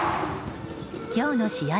今日の試合